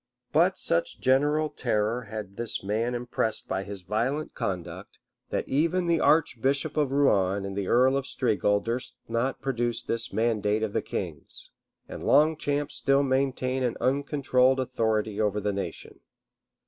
But such general terror had this man impressed by his violent conduct, that even the archbishop of Rouen and the earl of Strigul durst not produce this mandate of the king's: and Longchamp still maintained an uncontrolled authority over the nation.